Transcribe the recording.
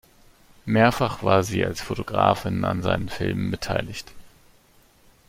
Mehrfach war sie als Fotografin an seinen Filmen beteiligt.